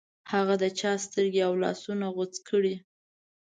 هغه د چا سترګې او لاسونه غوڅ کړې.